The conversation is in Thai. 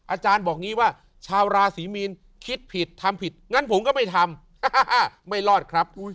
อาจารย์บอกงี้ว่าชาวราศรีมีนคิดผิดทำผิดงั้นผมก็ไม่ทำไม่รอดครับ